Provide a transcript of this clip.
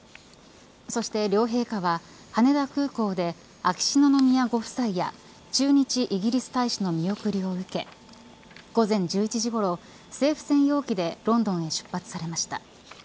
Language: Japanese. そして両陛下は、羽田空港で秋篠宮ご夫妻や駐日イギリス大使の見送りを受け午前１１時ごろ、政府専用機でロンドンへ出発されました。